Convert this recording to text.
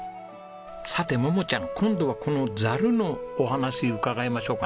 さて桃ちゃん今度はこのざるのお話伺いましょうかね。